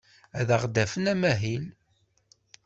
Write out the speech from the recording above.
Ad aɣ-d-afen amahil.